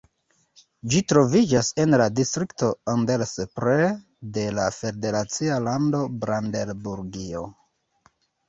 Ĝi troviĝas en la distrikto Oder-Spree de la federacia lando Brandenburgio.